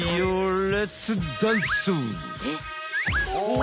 お！